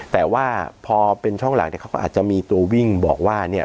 แต่ว่าพอเป็นช่องหลังเนี่ยเขาก็อาจจะมีตัววิ่งบอกว่าเนี่ย